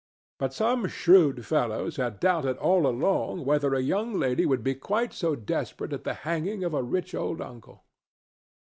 But some shrewd fellows had doubted all along whether a young lady would be quite so desperate at the hanging of a rich old uncle.